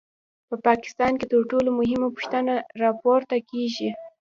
په پاکستان کې تر ټولو مهمه پوښتنه دا راپورته کېږي.